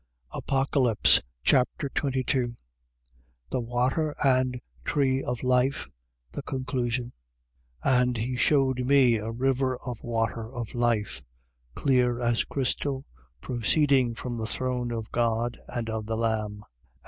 Apocalypse Chapter 22 The water and tree of life. The conclusion. 22:1. And he shewed me a river of water of life, clear as crystal, proceeding from the throne of God and of the Lamb. 22:2.